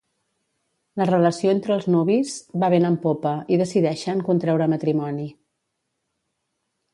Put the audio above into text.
La relació entre els nuvis va vent en popa i decideixen contreure matrimoni.